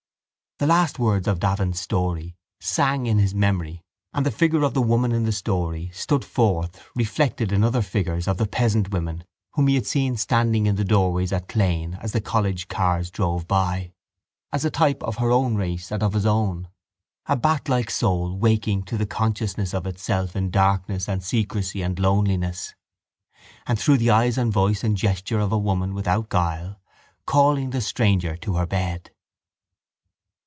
The last words of Davin's story sang in his memory and the figure of the woman in the story stood forth reflected in other figures of the peasant women whom he had seen standing in the doorways at Clane as the college cars drove by, as a type of her race and of his own, a batlike soul waking to the consciousness of itself in darkness and secrecy and loneliness and, through the eyes and voice and gesture of a woman without guile, calling the stranger to her bed.